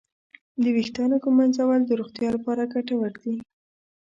د ویښتانو ږمنځول د روغتیا لپاره ګټور دي.